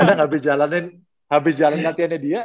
kadang habis jalanin habis jalanin latihannya dia